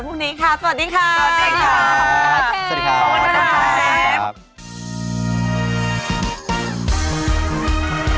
โปรดติดตามตอนต่อไป